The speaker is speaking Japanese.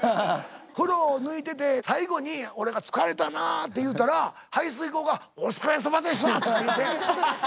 風呂抜いてて最後に俺が「疲れたなあ」って言うたら排水口が「お疲れさまでした」とか言うて。